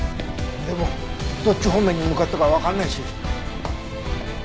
でもどっち方面に向かったかはわからないし。